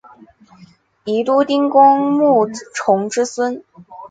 宜都丁公穆崇之孙。